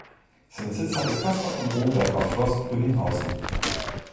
Seinen Sitz hatte Caspar von Romberg auf Schloss Brünninghausen.